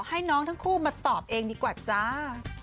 ให้น้องทั้งคู่มาตอบเองดีกว่าจ้า